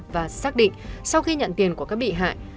và xác định sau khi nhận tiền của các bị hại